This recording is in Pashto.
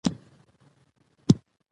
که نندارتون وي نو هڅه نه پټیږي.